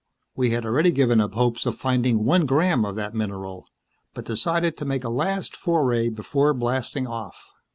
We had already given up hopes of finding one gram of that mineral, but decided to make a last foray before blasting off.